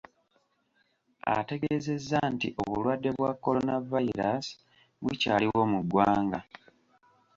Ategeezeza nti obulwadde bwa Kolonavayiraasi bukyaliwo mu ggwanga.